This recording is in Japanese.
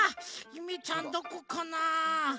ゆめちゃんどこかなあ？